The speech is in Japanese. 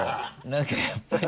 何かやっぱり。